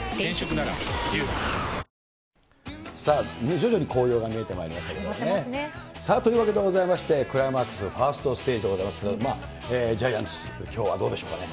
徐々に紅葉が見えてまいりましたけどね。というわけでございまして、クライマックスファーストステージでございますけど、ジャイアンきのう